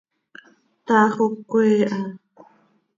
Taax oo cöquee ha.